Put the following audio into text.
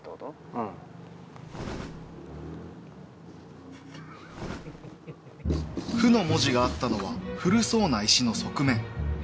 うん「不」の文字があったのは古そうな石の側面